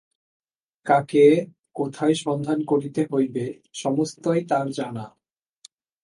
কাকে কোথায় সন্ধান করিতে হইবে, সমস্তই তার জানা।